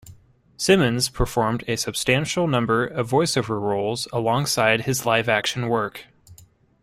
Simmons performed a substantial number of voice-over roles alongside his live action work.